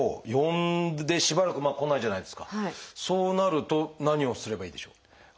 そうなると何をすればいいでしょう？